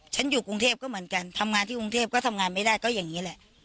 อยู่กรุงเทพก็เหมือนกันทำงานที่กรุงเทพก็ทำงานไม่ได้ก็อย่างนี้แหละ